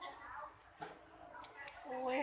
รีบเติมไม๊